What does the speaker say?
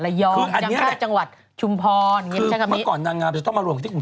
แต่เขาเรียกคำว่าจำชาติจังหวัดระยอง